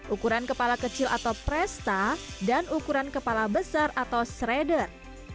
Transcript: ukuran kepala kecil atau presta dan ukuran kepala besar atau sreder